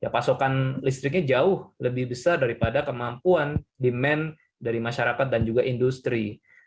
pasokan listriknya jauh lebih besar daripada kemampuan demand dari masyarakat dan juga industri